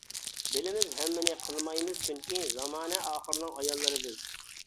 بىلىمىز ھەممىنى قىلمايمىز چۈنكى، زامانە ئاخىرنىڭ ئاياللىرى بىز!